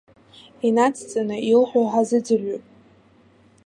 Инацҵаны, илҳәо ҳазыӡырҩып.